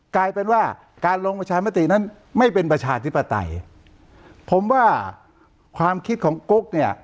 กลายเป็นว่าการลงประชามตินั้นไม่เป็นประชาธิปไตยผมว่าความคิดของกุ๊กเนี่ย